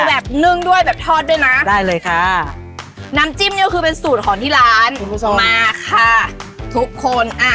แบบนึ่งด้วยแบบทอดด้วยนะได้เลยค่ะน้ำจิ้มนี่ก็คือเป็นสูตรของที่ร้านคุณผู้ชมมาค่ะทุกคนอ่า